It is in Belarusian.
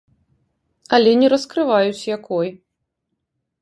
Але не раскрываюць, якой.